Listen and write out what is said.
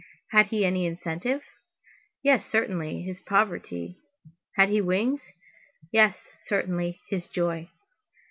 Had he any incentive? Yes, certainly, his poverty; had he wings? yes, certainly, his joy.